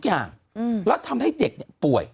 คุณหนุ่มกัญชัยได้เล่าใหญ่ใจความไปสักส่วนใหญ่แล้ว